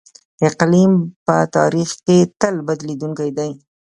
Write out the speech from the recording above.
اقلیم په تاریخ کې تل بدلیدونکی دی.